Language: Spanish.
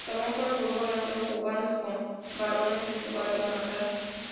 Su amor por el fútbol nació jugando con varones en su barrio natal.